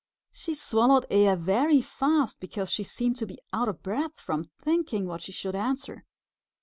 She swallowed air very fast because she seemed to be out of breath from thinking what she should answer.